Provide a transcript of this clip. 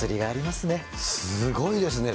すごいですね。